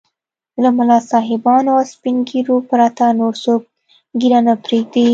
له ملا صاحبانو او سپين ږيرو پرته نور څوک ږيره نه پرېږدي.